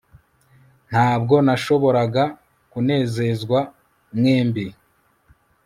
Ntabwo nashoboraga kunezezwa mwembi